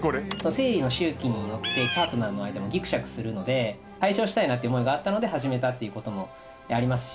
生理の周期によってパートナーの間もギクシャクするので解消したいなっていう思いがあったので始めたっていうこともありますし。